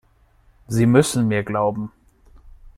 Sie müssen mir glauben!